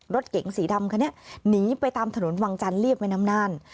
รถเก๋งสีดำคันนี้หนีไปตามถนนวังจันทร์เรียบแม่น้ำน่าน